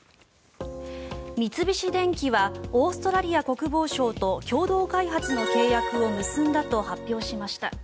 三菱電機はオーストラリア国防省と共同開発の契約を結んだと発表しました。